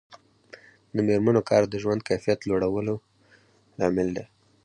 د میرمنو کار د ژوند کیفیت لوړولو لامل دی.